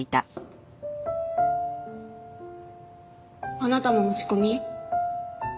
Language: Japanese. あなたも持ち込み？